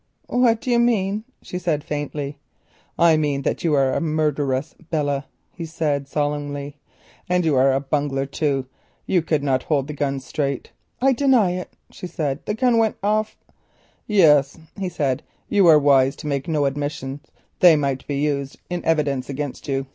"What do you mean?" she said faintly. "I mean that you are a murderess, Belle," he said solemnly. "And you are a bungler, too. You could not hold the gun straight." "I deny it," she said, "the gun went off——" "Yes," he said, "you are wise to make no admissions; they might be used in evidence against you.